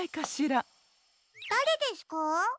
だれですか？